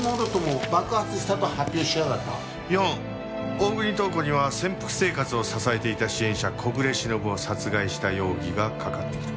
大國塔子には潜伏生活を支えていた支援者小暮しのぶを殺害した容疑がかかっている。